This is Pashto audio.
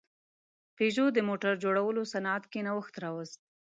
پيژو د موټر جوړولو صنعت کې نوښت راوست.